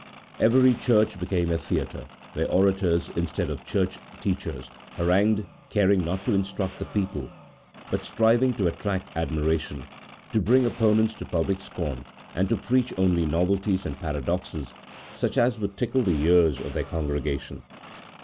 Every chnrch became a theatre, where orators, instead of church teachers, harangued, caring not to instruct the people, but striving to attract admiration, to bring opponents to public scorn, and to preach only novelties and paradoxes, such as would tickle the ears of their congregation.